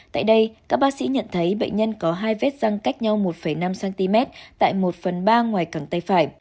tại đây các bác sĩ nhận thấy bệnh nhân có hai vết răng cách nhau một năm cm tại một phần ba ngoài cẳng tay phải